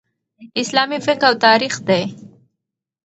اسلامي فقه او تاریخ دئ.